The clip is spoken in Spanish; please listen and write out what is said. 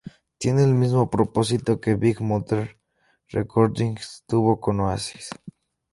Tiene el mismo propósito que Big Brother Recordings tuvo con Oasis.